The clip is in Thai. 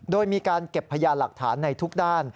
โดยมีการเก็บพยานหลักฐานในทุกด้าน